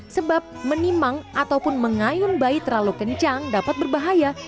sebab menimang ataupun mengayun bayi terlalu kencang dapat berbahaya